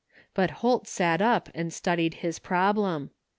But Holt sat up and studied his problem.